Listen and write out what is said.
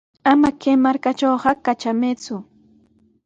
Ama kay markatrawqa katramayku.